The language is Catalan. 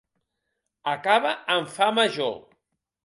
Acaba en fa major.